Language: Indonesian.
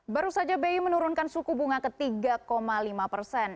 baru saja bi menurunkan suku bunga ke tiga lima persen